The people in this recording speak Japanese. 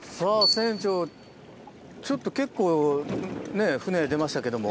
船長ちょっと結構ねぇ船出ましたけども。